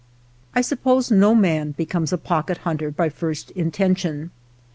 I suppose no man becomes a pocket hunter by first intention.